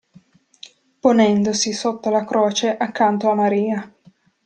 Ponendosi sotto la croce accanto a Maria.